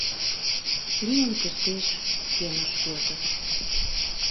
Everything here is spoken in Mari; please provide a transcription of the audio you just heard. — Лийын кертеш, - кӧныш Вӧдыр.